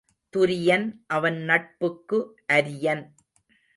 துரியன் அவன் நட்புக்கு அரியன்.